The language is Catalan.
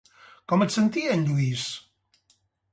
Com es sentia en Lluís?